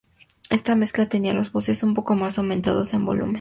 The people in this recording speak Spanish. Esta mezcla tenía las voces un poco más aumentadas en volumen.